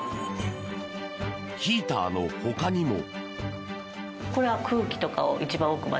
ヒーターのほかにも。